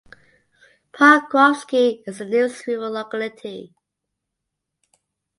Pokrovsky is the nearest rural locality.